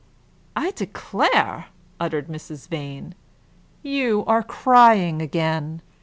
"I declare," uttered Mrs. Vane, "you are crying again!